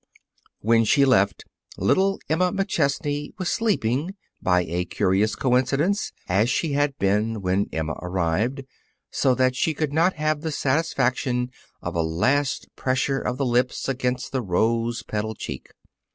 When she left, little Emma McChesney was sleeping, by a curious coincidence, as she had been when Emma arrived, so that she could not have the satisfaction of a last pressure of the lips against the rose petal cheek.